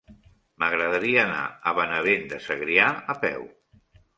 M'agradaria anar a Benavent de Segrià a peu.